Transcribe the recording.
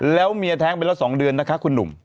แล้วเมียแท้งไปแล้ว๒เดือนนะคะคุณหนุ่ม